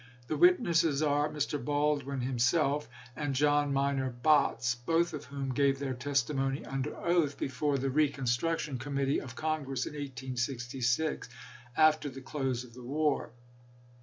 The witnesses are Mr. Baldwin himself and John Minor Botts, both of whom gave their testimony under oath before the Reconstruction Committee of Congress in 1866, after the close of the war.